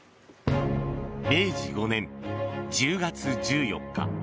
明治５年１０月１４日。